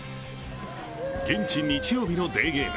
現地日曜日のデーゲーム。